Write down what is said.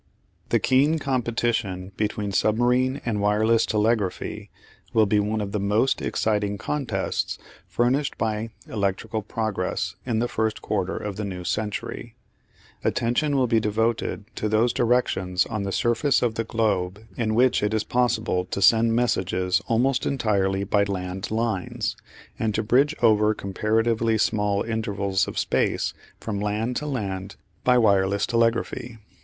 The keen competition between submarine and wireless telegraphy will be one of the most exciting contests furnished by electrical progress in the first quarter of the new century. Attention will be devoted to those directions on the surface of the globe in which it is possible to send messages almost entirely by land lines, and to bridge over comparatively small intervals of space from land to land by wireless telegraphy.